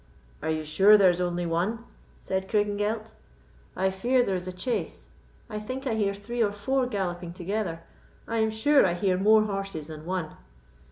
"Are you sure there is only one?" said Craigengelt. "I fear there is a chase; I think I hear three or four galloping together. I am sure I hear more horses than one."